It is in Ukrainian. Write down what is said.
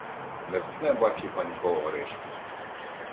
Не втне, бачу, Панько Оришки!